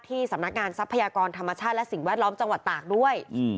สำนักงานทรัพยากรธรรมชาติและสิ่งแวดล้อมจังหวัดตากด้วย